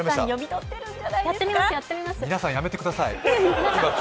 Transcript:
皆さんやめてください